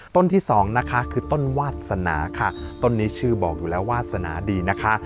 ต้นที่สองนะคะคือต้นวาสนาค่ะต้นนี้ชื่อบอกอยู่แล้ววาสนาดีนะคะ